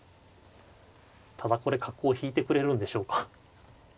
ただこれ角を引いてくれるんでしょうか。